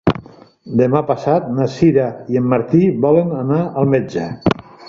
Demà passat na Sira i en Martí volen anar al metge.